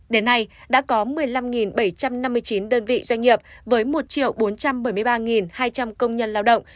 đến nay đã có một mươi năm bảy trăm năm mươi chín đơn vị doanh nghiệp với một bốn trăm bảy mươi ba hai trăm linh công nhân lao động